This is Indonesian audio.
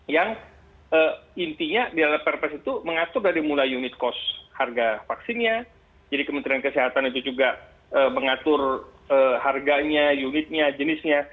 yang intinya di dalam perpres itu mengatur dari mulai unit cost harga vaksinnya jadi kementerian kesehatan itu juga mengatur harganya unitnya jenisnya